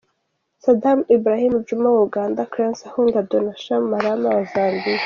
Saddam Ibrahim Djuma wa Uganda Cranes ahunga Donashano Malama wa Zambia .